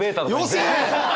よせ！